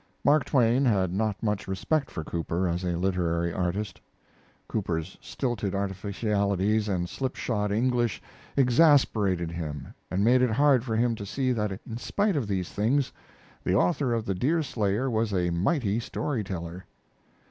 Mark Twain had not much respect for Cooper as a literary artist. Cooper's stilted artificialities and slipshod English exasperated him and made it hard for him to see that in spite of these things the author of the Deerslayer was a mighty story teller.